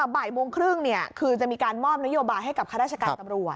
บ่ายโมงครึ่งคือจะมีการมอบนโยบายให้กับข้าราชการตำรวจ